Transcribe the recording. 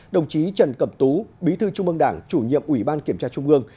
đồng chí trần cẩm tú bí thư trung ương đảng chủ nhiệm ủy ban kiểm tra trung ương